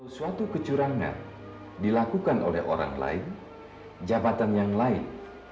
suatu kecurangan dilakukan oleh orang lain jabatan yang lain